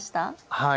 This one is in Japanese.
はい。